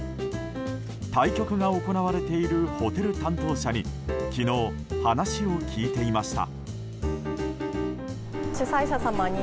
対局が行われているホテル担当者に昨日、話を聞いていました。